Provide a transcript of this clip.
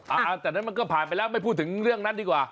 เอาแต่นั้นมันก็ผ่านไปแล้วไม่พูดถึงเรื่องนั้นดีกว่า